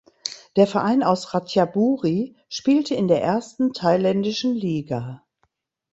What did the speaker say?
Der Verein aus Ratchaburi spielte in der ersten thailändischen Liga.